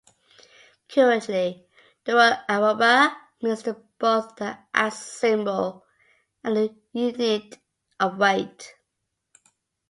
Currently, the word "arroba" means both the at-symbol and a unit of weight.